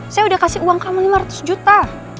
saya udah kasih uang kamu lima ratus juta